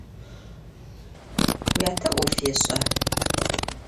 Vuyate 'of yêş'a?